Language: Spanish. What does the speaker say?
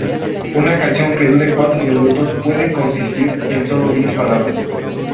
Una canción que dure cuatro minutos puede consistir en solo diez palabras.